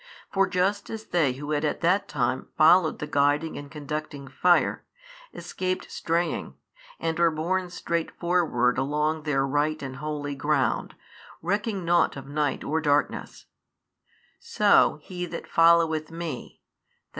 For just as they who at that time followed the guiding and conducting fire, escaped straying, and were borne straight forward along their right and holy ground, recking nought of night or darkness: so he that followeth Me, i.